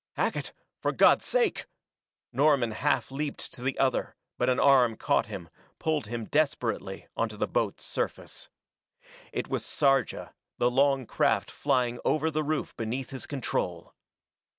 "Hackett for God's sake !" Norman half leaped to the other, but an arm caught him, pulled him desperately onto the boat's surface. It was Sarja, the long craft flying over the roof beneath his control.